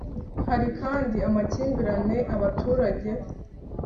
Hari kandi amakimbirane abaturage